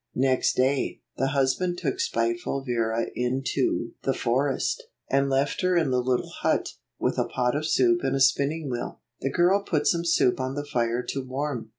Next day, the husband took spiteful Vera into 33 the forest, and left her in the little hut, with a pot of soup and a spinning wheel. The girl put some soup on the fire to warm.